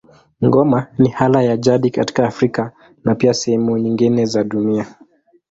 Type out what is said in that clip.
Ngoma ni ala ya jadi katika Afrika na pia sehemu nyingine za dunia.